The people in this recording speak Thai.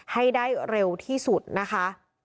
ให้ได้เร็วที่สุดนะคะ